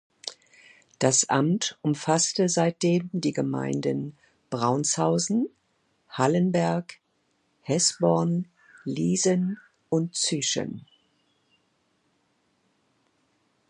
Das Amt umfasste seitdem die Gemeinden Braunshausen, Hallenberg, Hesborn, Liesen und Züschen.